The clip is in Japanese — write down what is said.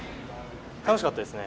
楽しかったですね。